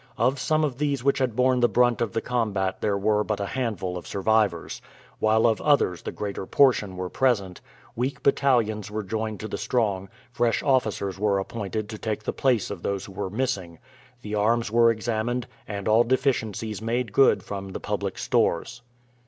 Of some of these which had borne the brunt of the combat there were but a handful of survivors, while of others the greater portion were present; weak battalions were joined to the strong; fresh officers were appointed to take the place of those who were missing; the arms were examined, and all deficiencies made good from the public stores.